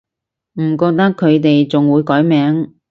唔覺得佢哋仲會改名